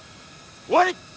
終わり！